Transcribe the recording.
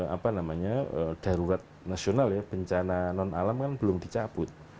apa namanya darurat nasional ya bencana non alam kan belum dicabut